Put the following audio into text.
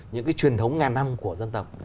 những cái truyền thống ngàn năm của dân tộc